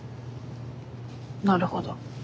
なるほど。